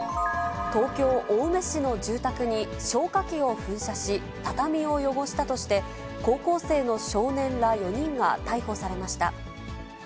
東京・青梅市の住宅に消火器を噴射し、畳を汚したとして、高校生の少年ら４人が逮捕されました。